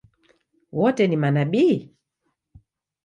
Wote ni manabii?